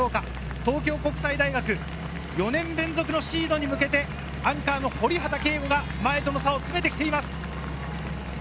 東京国際大学、４年連続シードに向けてアンカー・堀畑佳吾が前の差を詰めてきています。